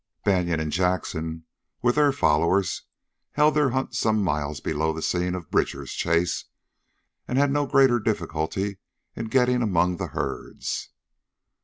Banion and Jackson, with their followers, held their hunt some miles below the scene of Bridger's chase, and had no greater difficulty in getting among the herds.